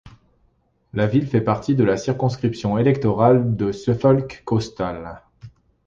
La ville fait partie de la circonscription électorale de Suffolk Coastal.